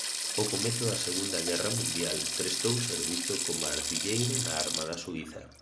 Ao comezo da Segunda Guerra Mundial prestou servizo como artilleiro na armada suíza.